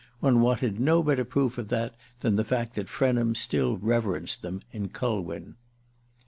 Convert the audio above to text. One wanted no better proof of that than the fact that Frenham still reverenced them in Culwin.